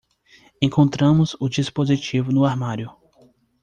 Encontramos o dispositivo no armário.